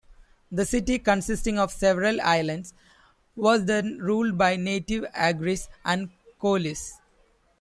The city, consisting of several islands, was then ruled by native Agris and kolis.